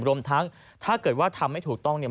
รวมทั้งถ้าเกิดว่าทำไม่ถูกต้องเนี่ย